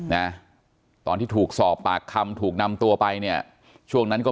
นะตอนที่ถูกสอบปากคำถูกนำตัวไปเนี่ยช่วงนั้นก็